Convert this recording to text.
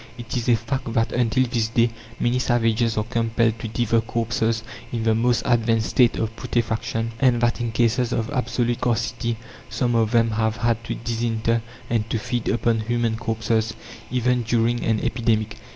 It is a fact that until this day many savages are compelled to devour corpses in the most advanced state of putrefaction, and that in cases of absolute scarcity some of them have had to disinter and to feed upon human corpses, even during an epidemic.